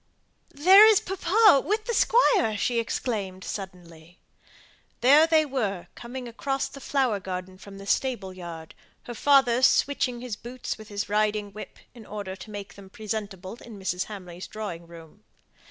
"There is papa, with the Squire!" she suddenly exclaimed. There they were coming across the flower garden from the stable yard, her father switching his boots with his riding whip, in order to make them presentable in Mrs. Hamley's drawing room.